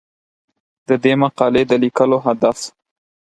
د دې مقالې د لیکلو هدف